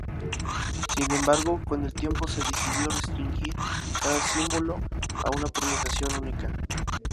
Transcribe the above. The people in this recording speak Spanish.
Sin embargo, con el tiempo se decidió restringir cada símbolo a una pronunciación única.